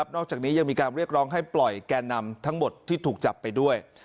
นอกจากนี้ยังมีการเรียกร้องให้ปล่อยแก่นำทั้งหมดที่ถูกจับไปด้วย